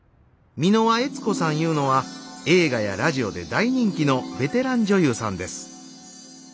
箕輪悦子さんいうのは映画やラジオで大人気のベテラン女優さんです。